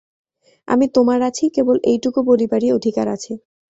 আমি তোমার আছি, কেবল এইটুকু বলিবারই অধিকার আছে।